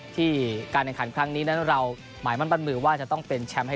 ที่การแห่งขันครั้งนี้นะเราก็หมายมั้นปรับมือว่าจะต้องเป็นแชมป์ให้